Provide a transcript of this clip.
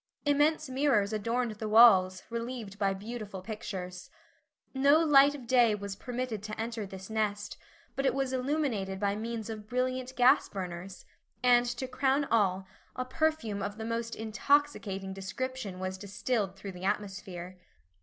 Immense mirrors adorned the walls, relieved by beautiful pictures. No light of day was permitted to enter this nest, but it was illuminated by means of brilliant gas burners, and to crown all, a perfume of the most intoxicating description was distilled through the atmosphere.